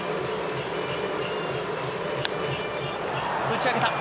打ち上げた！